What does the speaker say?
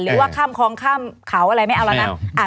หรือว่าข้ามคลองข้ามเขาอะไรไม่เอาแล้วนะ